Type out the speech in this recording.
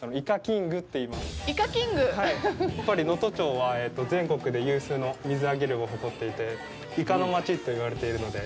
やっぱり、能登町は全国で有数の水揚げ量を誇っていて、“イカの町”と言われているので。